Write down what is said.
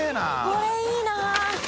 これいいな。